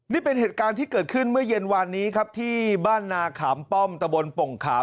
นี่เป็นเหตุการณ์ที่เกิดขึ้นเมื่อเย็นวานนี้ครับที่บ้านนาขามป้อมตะบนปงขาม